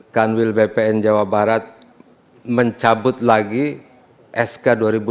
dua ribu sembilan belas kanwil bpn jawa barat mencabut lagi sk dua ribu enam belas